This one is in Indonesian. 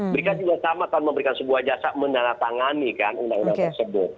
mereka juga sama kan memberikan sebuah jasa menandatangani kan undang undang tersebut